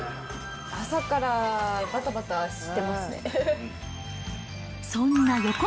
朝からばたばたしてますね。